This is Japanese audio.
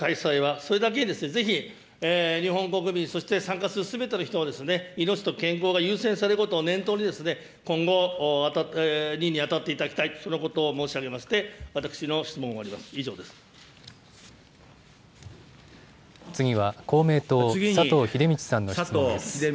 それだけにぜひ、日本国民、そして参加するすべての人の命と健康が優先されることを念頭に、今後、任に当たっていただきたい、そのことを申し上げまして、私の次は公明党、佐藤英道さんの質問です。